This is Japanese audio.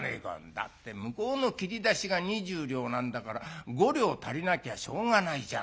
「だって向こうの切り出しが２０両なんだから５両足りなきゃしょうがないじゃないか」。